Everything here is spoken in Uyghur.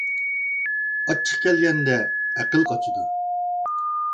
ئاچچىق كەلگەندە ئەقىل قاچىدۇ.